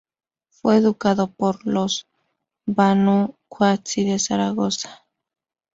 Fue educado por los Banu Qasi de Zaragoza.